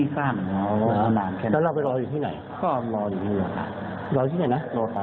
อ๋อคนเล็กอยู่กับเรา